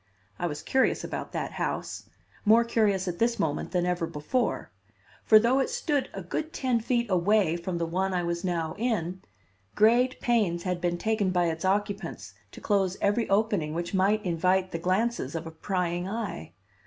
I was curious about that house, more curious at this moment than ever before; for though it stood a good ten feet away from the one I was now in, great pains had been taken by its occupants to close every opening which might invite the glances of a prying eye.